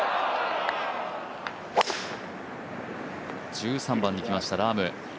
１３番に来ました、ラーム。